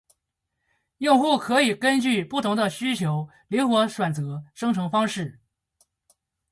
用户可以根据不同的需求灵活选择生成方式